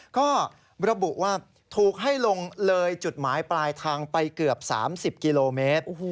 ก็ระบุว่าถูกให้ลงเลยจุดหมายปลายทางไปเกือบ๓๐กิโลเมตร